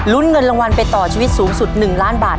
เงินรางวัลไปต่อชีวิตสูงสุด๑ล้านบาท